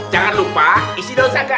jangan lupa isi daun saga